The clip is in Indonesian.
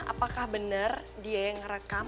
apakah bener dia yang merekam